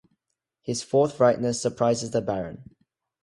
His forthrightness surprises the Baron.